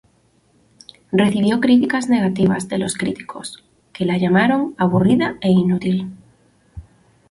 Recibió críticas negativas de los críticos, que la llamaron "aburrida" e "inútil".